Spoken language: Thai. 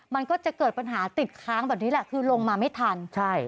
มันก็จะเกิดปัญหาติดค้างแบบนี้แหละคือลงมาไม่ทันใช่